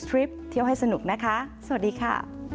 ริปเที่ยวให้สนุกนะคะสวัสดีค่ะ